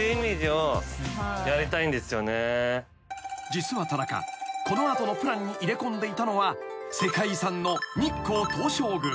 ［実は田中この後のプランに入れこんでいたのは世界遺産の日光東照宮］